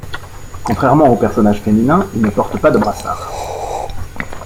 Contrairement aux personnages féminins, ils ne portent pas de brassards.